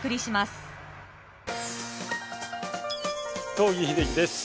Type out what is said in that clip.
東儀秀樹です。